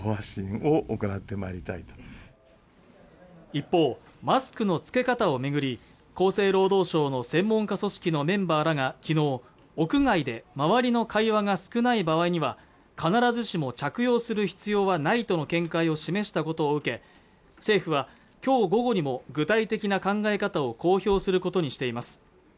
一方マスクのつけ方を巡り厚生労働省の専門家組織のメンバーらがきのう屋外で周りの会話が少ない場合には必ずしも着用する必要はないとの見解を示したことを受け政府はきょう午後にも具体的な考え方を公表することにしています